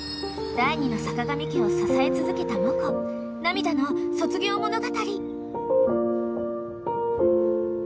［第２のさかがみ家を支え続けたモコ涙の卒業物語］